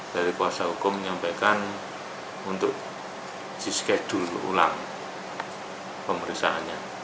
dari kuasa hukum menyampaikan untuk di schedule ulang pemeriksaannya